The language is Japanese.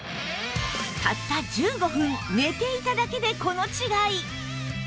たった１５分寝ていただけでこの違い